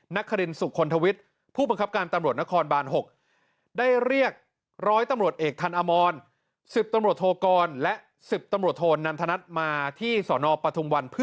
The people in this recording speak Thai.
น้าคาริกสุขค้นทวิทย์ผู้ประครับการตำรวจนครบาน๖ได้เรียก๑๐๐ตำรวจเอกทันอมร๑๐ตำรวจโทรกรและ๑๐ตำรวจโทรนำถรรภ์มาที่สฯประทุงวัล